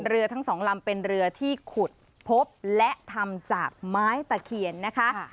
เรือทั้งสองลำเป็นเรือที่ขุดพบและทำจากไม้ตะเคียนนะคะ